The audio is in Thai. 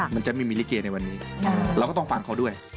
มันจะไม่มีลิเกในวันนี้เราก็ต้องฟังเขาด้วย